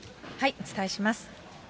お伝えします。